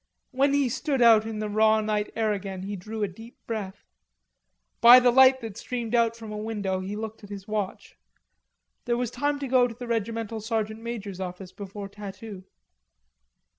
When he stood out in the raw night air again he drew a deep breath. By the light that streamed out from a window he looked at his watch. There was time to go to the regimental sergeant major's office before tattoo.